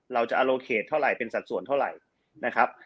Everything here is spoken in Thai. เราจะอโลเขตเท่าไหร่เป็นสัดส่วนเท่าไหร่นะครับ